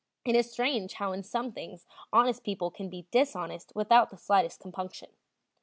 It is strange how in some things honest people can be dishonest without the slightest compunction.